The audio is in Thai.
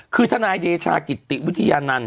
คือทนายเดชากิติวิทยานันต